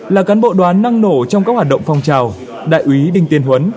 là cán bộ đoàn năng nổ trong các hoạt động phong trào đại úy đinh tiên huấn